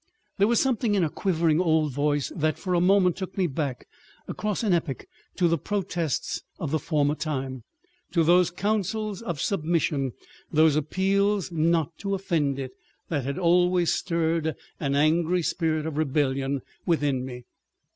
There was something in her quivering old voice that for a moment took me back across an epoch, to the protests of the former time, to those counsels of submission, those appeals not to offend It, that had always stirred an angry spirit of rebellion within me.